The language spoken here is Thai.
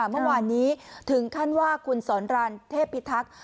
เมื่อวานนี้ถึงขั้นว่าคุณสอนรานเทพิทักษ์